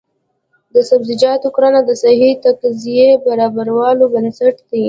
د سبزیجاتو کرنه د صحي تغذیې د برابرولو بنسټ دی.